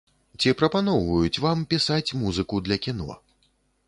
Ці прапаноўваюць вам пісаць музыку для кіно.